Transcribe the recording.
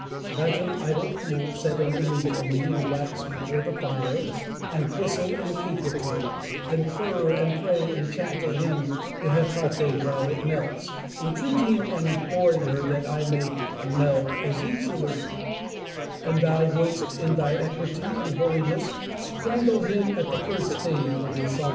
Let an idle fool set an image of me in wax before the fire, and whistle and caper to it, and purr and pray, and chant a hymn to Hecate while it melts, entreating and imploring her that I may melt as easily, — and thou wouldst, in thy equity and holiness, strangle him at the first stave of his psalmody.